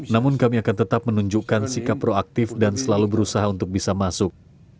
namun kami akan tetap menunjukkan sikap proaktif dan selalu berusaha untuk bisa masuk